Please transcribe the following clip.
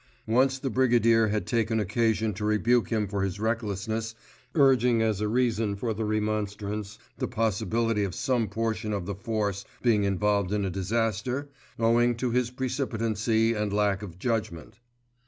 Once the Brigadier had taken occasion to rebuke him for his recklessness, urging as a reason for the remonstrance the possibility of some portion of the force being involved in a disaster, owing to his precipitancy and lack of judgment.